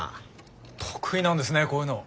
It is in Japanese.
得意なんですねこういうの。